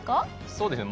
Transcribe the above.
そうですね。